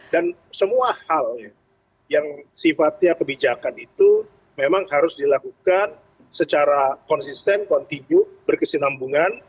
dan semua hal yang sifatnya kebijakan itu memang harus dilakukan secara konsisten kontinu berkesinambungan